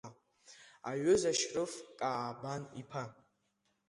Аҩыза, Шьрыф Каабан-иԥа.